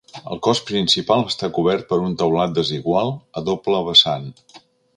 El cos principal està cobert per un teulat desigual a doble vessant.